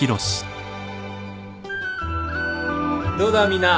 どうだみんな。